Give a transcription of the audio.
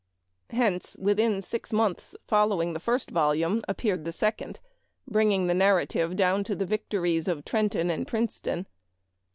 Hence, within six months following the first volume appeared the second, bringing the nar rative down to the victories of Trenton and Princeton.